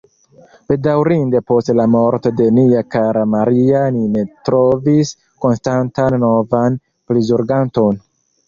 Bedaŭrinde post la morto de nia kara Maria ni ne trovis konstantan novan prizorganton.